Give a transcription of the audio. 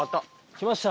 きました。